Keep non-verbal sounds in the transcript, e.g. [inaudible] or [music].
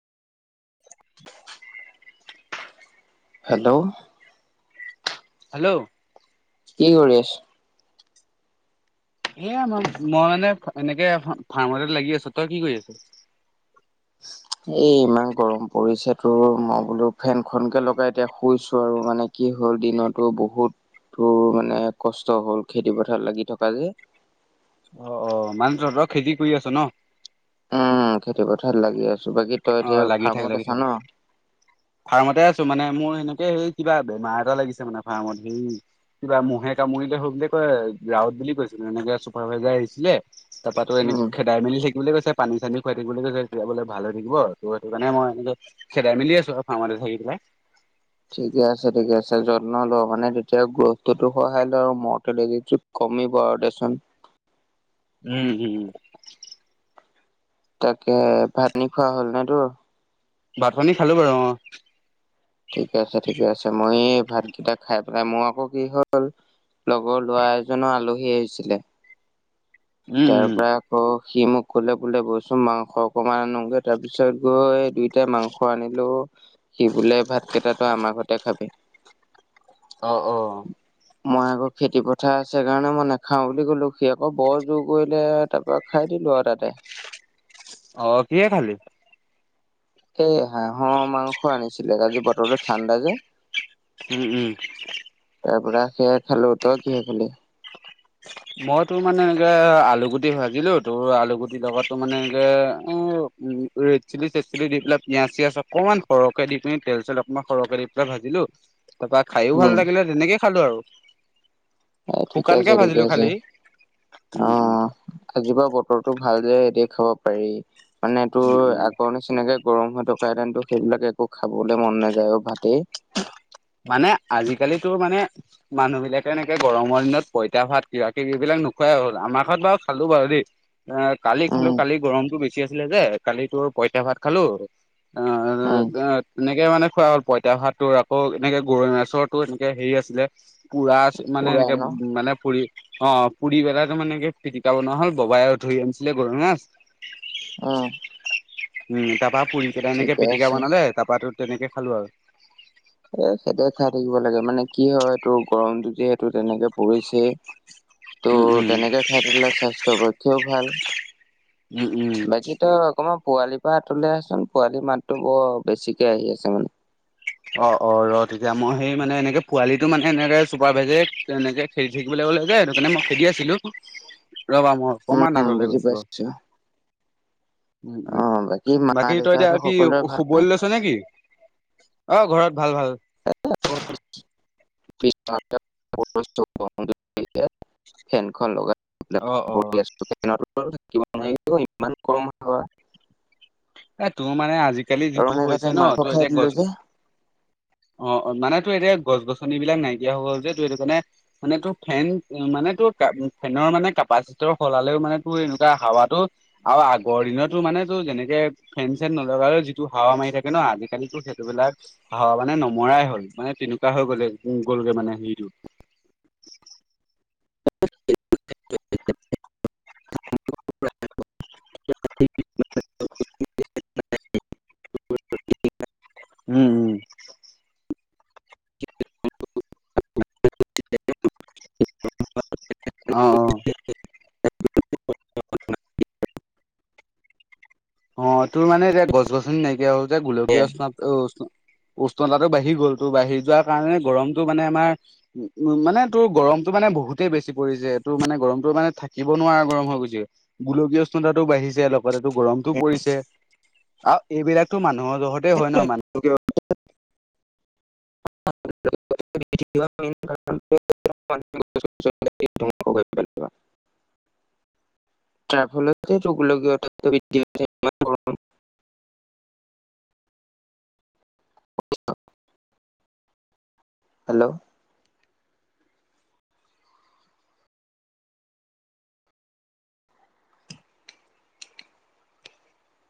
Hello. Hello. কি কৰি আছ? এয়া মই, মই মানে এনেকে ফাৰ্মত লাগি আছোঁ। তই কি কৰি আছ? এ, ইমান গৰম পৰিছে, তোৰ মই বোলো ফেনখনকে লগাই এতিয়া শুইছোঁ আৰু মানে। কি হ'ল দিনতো বহুত তোৰ মানে কষ্ট হ'ল খেতি পথাৰত লাগি থকা যে। অ', অ' মানে তহঁতৰ খেতি কৰি আছ ন'? উম খেতি পথাৰত লাগি আছোঁ, বাকী তই অ এতিয়া লাগি থাক ফাৰ্মত লাগি থাক আছা ন'? ফাৰ্মতে আছোঁ, মানে মোৰ সেনেকে হে, কিবা বেমাৰ এটা লাগিছে মানে ফাৰ্মত হেই কিবা ম'হে কামুৰিলে হওক বুলি কয় ৰাৱত বুলি কৈছিলে, এনেক চুপাৰভাইজাৰ আহিছিলে তাৰপা তোৰ উম এনেকে খেত চাই মেলি থাকিবলৈ কৈছে, পানী চানী খোৱাই থাকিবলৈ কৈছে, তেতিয়া বোলে ভাল হৈ থাকিব ত' সেইটো কাৰণে মই এনেকে খেদাই মেলি আছোঁ আৰু ফাৰ্মতে থাকি পেলাই। ঠিকে আছে, ঠিকে আছে, যত্ন ল' মানে তেতিয়া গুৰুত্বটো সহায় লয় আৰু ম'হ খেদ যদি কমিব আৰু দেচোন। উম, হুম। তাকে ভাত পানী খোৱা হ'ল ন' তোৰ? ভাত পানী খালোঁ বাৰু অ'। ঠিকে আছে, ঠিকে আছে, মই এই ভাতকেইটা খাই পেলাই মোৰ আকৌ কি হ'ল লগৰ ল'ৰা এজনৰ আলহী আহিছিলে। উম উম তাৰপৰা আকৌ সি মোক ক'লে বোলে বলচোন মাংস অকমান আনোগৈ তাৰপিছত গৈ দুই তে মাংস আনিলো, সি বোলে ভাতকেইটা তই আমাৰ ঘৰতে খাবি। অ', অ'। মই আকৌ খেতি পথাৰ আছে কাৰণে মই নেখাওঁ বুলি ক'লো, সি আকৌ বৰ জোৰ কৰিলে তাৰপৰা খাই দিলোঁ আৰু তাতে। অ' কিহেৰে খালি? এই হাঁহৰ মাংস আনিছিলে, আজি বতৰটো ঠাণ্ডা যে। উম, উম। তাৰপৰা সেয়ে খালোঁ, তই কিহে খালি? মই তোৰ মানে এনেকে আলু গুটি ভাজিলো, তোৰ আলুগুটি লগত তোৰ মানে এনেকে উম, ৰেড চিলি, ছেড চিলি দি পেলাই, পিয়াঁজ চিয়াজ অকমান সৰহকে দি পিনি, তেল চেল অকনমান সৰহকে দি পেলাই ভাজিলো তাৰপা খাইওঁ উম ভাল লাগিলে, তেনেকে খালোঁ আৰু। এ, ঠিক শুকানকে আছে, ঠিকে ভাজিলো আছে, খালি। উম উম অ'। আজিৰপৰা বতৰটো ভাল যে এতিয়া খাব পাৰি, মানে তোৰ উম উম আগৰ নি নিচিনাকে গৰম হৈ থকাঁহেতেন সেইবিলাক একো খাবলৈ মন নাযায় আৰু ভাতেই। মানে আজিকালি তোৰ মানে মানুহবিলাকে এনেকে গৰমৰ দিনত পইতা ভাত কিবা কিবি এইবিলাক নোখুৱাই হ'ল, আমাৰ ঘৰত বাৰু খালোঁ বাৰু দেই। এ, কালি খালোঁ, উম, কালি গৰমটো বেছি আছিলে যে কালি তোৰ পঁইতা ভাত খালোঁ অ', উম, অ' তেনেকে মানে খোৱা হ'ল পঁইতা ভাত তোৰ আকৌ এনেকে গৰৈ মাছৰটো এনেকে হেৰি আছিলে পুৰা মানে পুৰা এনেকে ন? উ, মানে ফুৰি অ' পুৰিবেলাই তোৰ মানে কি পিটিকা বনোৱা হ'ল, ববাই ধৰি আনিছিলে গৰৈ মাছ। অ'। উম, তাৰপা পুৰিকেইটা এনেকে ঠিকে পিটিকা আছে। বনালে তাৰাপা তেনেকে খালোঁ আৰু। এ, সিহঁতে খাই থাকিব লাগে মানে কি হয় তোৰ গৰমটো যিহেতু তেনেকে পৰিছে [inaudible] ত' উম, তেনেকে খাই থাকিলে স্বাস্থ্যৰ পক্ষেও ভাল। উম, উম। বাকী তই অকণমান পোৱালিৰপৰা আঁতৰলে আহচোন, পোৱালিৰ মাতটো বৰ বেছিকে আহি আছে মানে। অ', অ' ৰ' তেতিয়া মই সেই মানে এনেকে পোৱালিটো মানে এনেকে চুপাৰ ভাইজে এনেকে খে থিকিবলৈ বোলে যে সেইটো কাৰণে মই খেদি আছিলোঁ, ৰবা মই অকণমাণ উম, বুজি পাইছোঁ। উম, উম, মা বাকী তই এতিয়া দেউতাহঁতৰ আৰু কি সকলোৰে শুবলৈ ভালনে? লৈছ নে কি? অ', ঘৰত ভাল ভাল। [inaudible] [unintelligible] ফেনখন লগাই অ', অ'। [unintelligible] ইমান কম হাৱা। এ তোৰ মানে আজিকালি আৰু যিটো মানে তাতে হৈছে ন মাংস তই খাই এতিয়া দিলো গছ যে গছ অ', অ', মানে তোৰ এতিয়া গছ গছনিবিলাক নাইকিয়া হ'ল যে তোৰ এইটো কাৰণে মানে তোৰ ফেন মানে তোৰ ফেনৰ মানে কেপাচিটৰ সলালেও মানে তোৰ এনেকুৱা হাৱাটো আৰু আগৰ দিনতো মানে তোৰ যেনেকে ফেন চেন নলগালেও যিটো হাৱা মাৰি থাকে ন আজিকালিতো সেইটোবিলাক হাৱা মানে নমৰাই হ'ল মানে তেনেকুৱা হৈ গ'লে গ'লগে মানে হেৰিটো। [inaudible] [inaudible] উম, উম। অ', অ'। [inaudible] অ', তোৰ মানে এতিয়া গছ গছনি নাইকিয়া হ'ল যে গোলকীয়া উষ্ণতো উষ্ণ উষ্ণতাটো বাঢ়ি গ'ল। তোৰ বাঢ়ি যোৱাৰ কাৰণে গৰমতটো মানে আমাৰ উম, মানে তোৰ গৰমটো মানে বহুতেই বেছি পৰিছে তোৰ মানে গৰমটো মানে থাকিব নোৱাৰা গৰম হৈ গৈছে। গোলকীয় উষ্ণতাটো বাঢ়িছে লগতেটো গৰম এইবিলাকতো মানুহৰ জহত [inaudible] [inaudible] [inaudible] তাৰ ফলতেটো গোলকীয় উত্তাপটো বৃদ্ধি হৈছে। ইমান গৰম হেল্ল'।